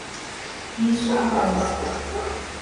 Isso parece.